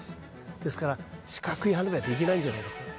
ですから四角い花火はできないんじゃないかと。